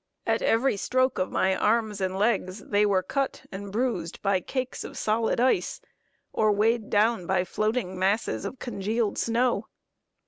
At every stroke of my arms and legs, they were cut and bruised by cakes of solid ice, or weighed down by floating masses of congealed snow.